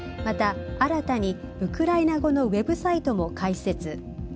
また新たにウクライナ語のウェブサイトも開設。